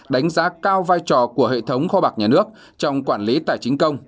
đánh giá cao vai trò của hệ thống kho bạc nhà nước trong quản lý tài chính công